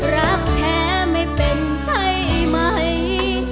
รักแท้ไม่เป็นใช่ไหม